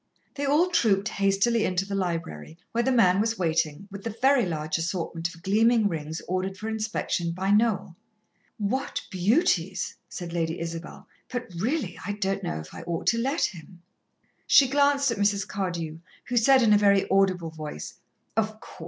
They all trooped hastily into the library, where the man was waiting, with the very large assortment of gleaming rings ordered for inspection by Noel. "What beauties!" said Lady Isabel. "But, really, I don't know if I ought to let him." She glanced at Mrs. Cardew, who said in a very audible voice: "Of course.